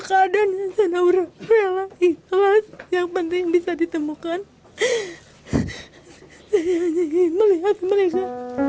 keadaannya senaura rela ikhlas yang penting bisa ditemukan saya hanya ingin melihat mereka